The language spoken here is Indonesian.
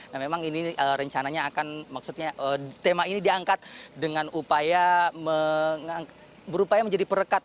nah memang ini rencananya akan maksudnya tema ini diangkat dengan upaya berupaya menjadi perekat